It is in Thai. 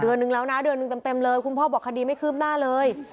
เดือนนึงแล้วนะเดือนหนึ่งเต็มเลยคุณพ่อบอกคดีไม่คืบหน้าเลย